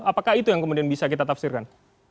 apakah itu yang kemudian bisa kita tafsirkan